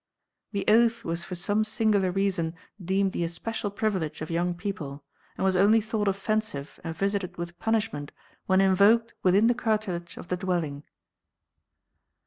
The oath was for some singular reason deemed the especial privilege of young people, and was only thought offensive and visited with punishment when invoked within the curtilage of the dwelling.